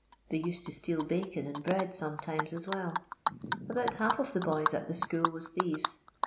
They used to steal bacon and bread sometimes ns well. About half of the boys at the school was thieves.